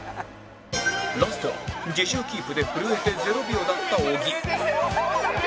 ラストは自重キープで震えて０秒だった小木